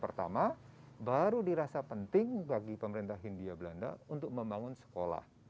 pertama baru dirasa penting bagi pemerintah hindia belanda untuk membangun sekolah